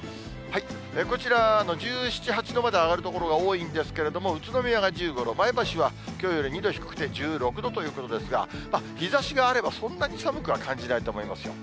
こちらは１７、８度まで上がる所が多いんですけれども、宇都宮が１５度、前橋はきょうより２度低くて、１６度ということですが、日ざしがあれば、そんなに寒くは感じないと思いますよ。